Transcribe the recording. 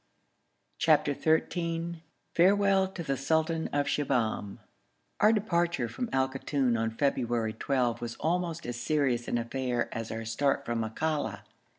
CHAPTER XIII FAREWELL TO THE SULTAN OF SHIBAHM Our departure from Al Koton on February 12 was almost as serious an affair as our start from Makalla.